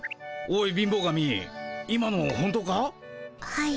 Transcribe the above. はい。